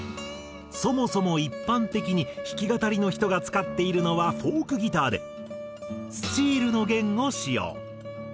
そもそも一般的に弾き語りの人が使っているのはフォークギターでスチールの弦を使用。